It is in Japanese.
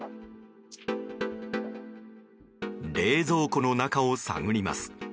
冷蔵庫の中を探ります。